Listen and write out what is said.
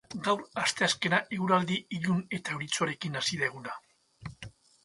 Gaur, asteazkena, eguraldi ilun eta euritsuarekin hasi da eguna.